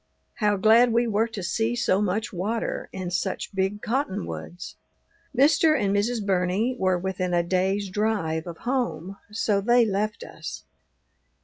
How glad we were to see so much water and such big cottonwoods! Mr. and Mrs. Burney were within a day's drive of home, so they left us.